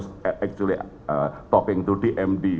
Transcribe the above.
sebenarnya saya berbicara dengan dmd